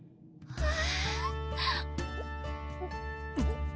ああ！